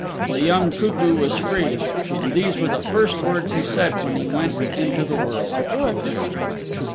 The young cuckoo was free, and these were the first words he said when he went into the world.